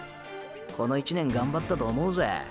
この１年がんばったと思うぜ。